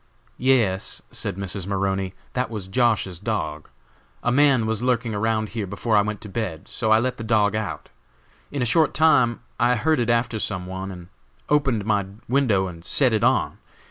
"Yes," said Mrs. Maroney, "that was Josh.'s dog. A man was lurking around here before I went to bed, so I let the dog out. In a short time I heard it after some one, and opened my window and set it on.